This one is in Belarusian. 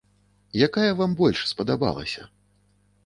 Якая вам больш спадабалася?